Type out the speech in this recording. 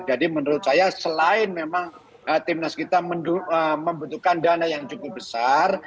jadi menurut saya selain memang timnas kita membutuhkan dana yang cukup besar